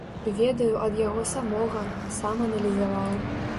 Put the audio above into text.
Ведаю ад яго самога, сам аналізаваў.